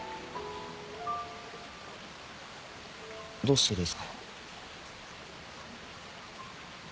どうしてですか？